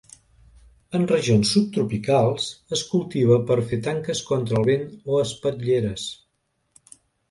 En regions subtropicals es cultiva per a fer tanques contra el vent o espatlleres.